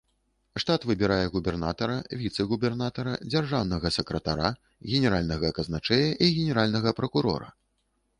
Штат выбірае губернатара, віцэ-губернатара, дзяржаўнага сакратара, генеральнага казначэя і генеральнага пракурора.